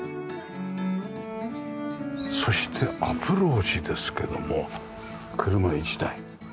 そしてアプローチですけども車１台。